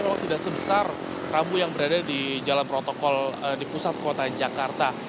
memang tidak sebesar rabu yang berada di jalan protokol di pusat kota jakarta